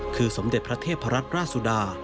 คือสมเด็จพระเทพรัตนราชสุดา